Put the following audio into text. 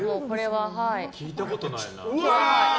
聞いたことないな。